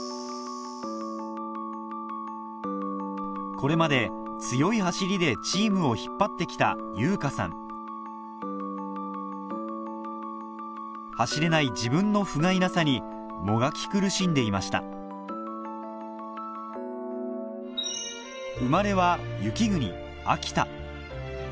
これまで強い走りでチームを引っ張って来た優花さん走れない自分のふがいなさにもがき苦しんでいました雪国